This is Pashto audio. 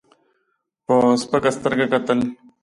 په سپکه سترګه کتل.